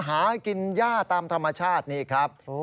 หากินย่าตามธรรมชาตินี่ครับ